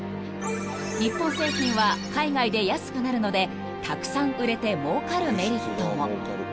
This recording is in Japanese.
［日本製品は海外で安くなるのでたくさん売れてもうかるメリットも］